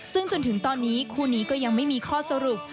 ซึ่งจนถึงตอนนี้คู่นี้ก็ยังไม่มีข้อสรุป